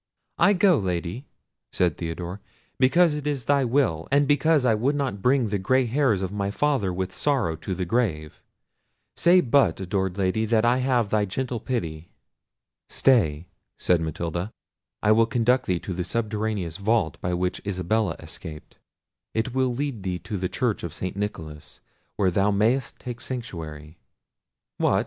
"I go, Lady," said Theodore, "because it is thy will, and because I would not bring the grey hairs of my father with sorrow to the grave. Say but, adored Lady, that I have thy gentle pity." "Stay," said Matilda; "I will conduct thee to the subterraneous vault by which Isabella escaped; it will lead thee to the church of St. Nicholas, where thou mayst take sanctuary." "What!"